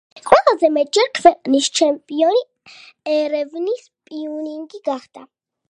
ყველაზე მეტჯერ ქვეყნის ჩემპიონი ერევნის „პიუნიკი“ გახდა.